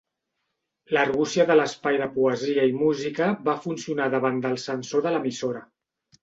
L'argúcia de l'espai de poesia i música va funcionar davant del censor de l'emissora.